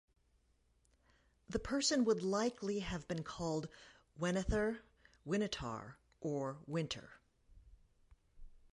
The person would likely have been called "Wenether", "Winitar" or "Winter".